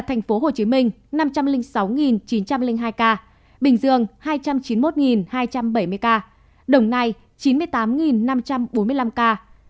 tp hcm năm trăm linh sáu chín trăm linh hai ca bình dương hai trăm chín mươi một hai trăm bảy mươi ca đồng nai chín mươi tám năm trăm bốn mươi năm ca tây ninh tám mươi một một trăm ba mươi năm ca hà nội sáu mươi hai một trăm bảy mươi bốn ca